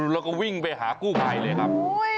แล้วก็วิ่งไปหากู้ภัยเลยครับ